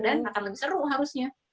akan lebih seru harusnya